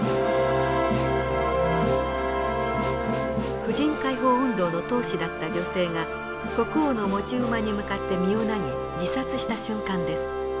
婦人解放運動の闘士だった女性が国王の持ち馬に向かって身を投げ自殺した瞬間です。